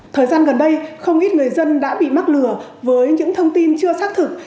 thời gian gần đây không ít người dân đã bị mắc lừa với những thông tin chưa xác thực